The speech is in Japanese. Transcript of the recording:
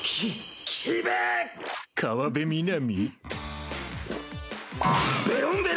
河辺美波？